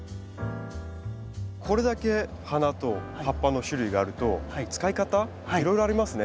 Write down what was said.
これだけ花と葉っぱの種類があると使い方いろいろありますね。